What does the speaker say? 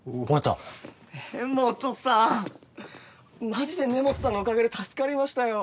マジで根元さんのおかげで助かりましたよ。